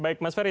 baik mas ferry